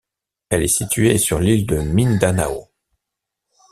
Elle est située sur l'île de Mindanao.